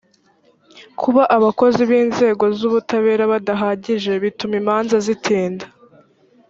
kuba abakozi b inzego z ubutabera badahagije bituma imanza zitinda